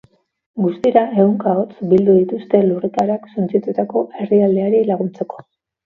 Guztira ehunka ahots bildu dituzte lurrikarak suntsitutako herrialdeari laguntzeko.